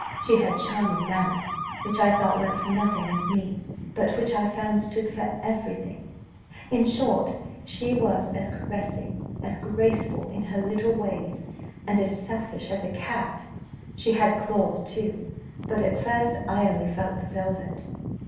She had charming manners, which I thought went for nothing with me, but which I found stood for every thing. In short, she was as caressing, as graceful, in her little ways, and as selfish as a cat. She had claws too, but at first I only felt the velvet.